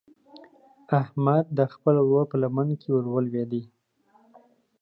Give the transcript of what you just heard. احمد د خپل ورور په لمن کې ور ولوېد.